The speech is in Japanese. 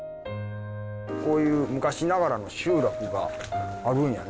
こういう昔ながらの集落があるんやね。